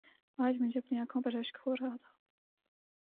آج مجھے اپنی انکھوں پر رشک ہو رہا تھا